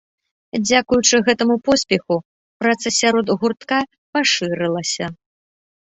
Дзякуючы гэтаму поспеху праца сярод гуртка пашырылася.